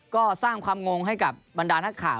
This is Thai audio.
ก็สร้างความงงให้กับบรรดานักข่าว